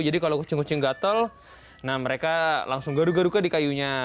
jadi kalau kucing kucing gatel nah mereka langsung garu garu ke di kayunya